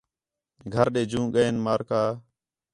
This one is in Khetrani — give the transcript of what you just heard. گھر ݙے جوں ڳئین مارکہ